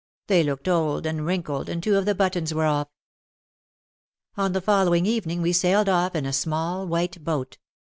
They looked old, and wrinkled, and two of the buttons were off. On the following evening we sailed off in a small white boat.